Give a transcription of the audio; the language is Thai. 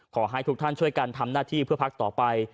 ขอให้ทุกท่านช่วยกันทำหน้าที่เพื่อพักต่อไป